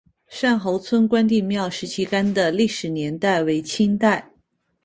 单侯村关帝庙石旗杆的历史年代为清代。